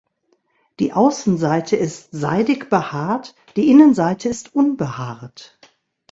Die Außenseite ist seidig behaart, die Innenseite ist unbehaart.